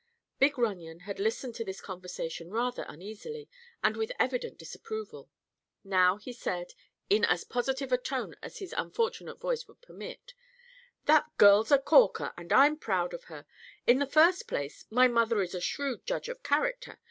Big Runyon had listened to this conversation rather uneasily and with evident disapproval. Now he said, in as positive a tone as his unfortunate voice would permit: "That girl's a corker, and I'm proud of her. In the first place, my mother is a shrewd judge of character.